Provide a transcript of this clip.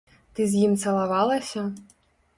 Ты з ім цалавалася?